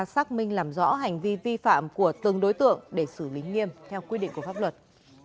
xác minh làm rõ hành vi vi phạm của từng đối tượng để xử lý nghiêm theo quy định của pháp luật